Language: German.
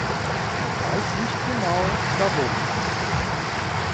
Man weiß nicht genau, warum.